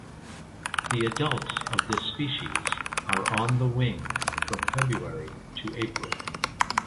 The adults of this species are on the wing from February to April.